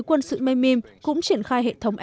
quân sự memim cũng triển khai hệ thống